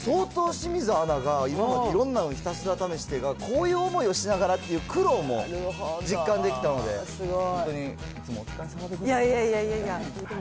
だから相当清水アナが、今までいろんなのひたすら試してが、こういう思いをしながらっていう苦労も実感できたので、本当にいつもお疲れさまでございます。